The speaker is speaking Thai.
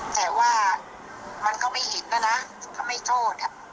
แต่ว่ามันก็ไม่เห็นนะนะก็ไม่โทษ